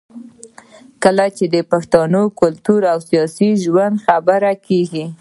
کله چې د پښتون کلتور او سياسي ژوند خبره کېږي